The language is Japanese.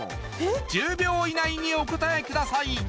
１０秒以内にお答えください